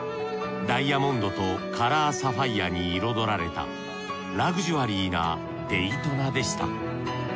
ダイヤモンドとカラーサファイヤに彩られたラグジュアリーなデイトナでした。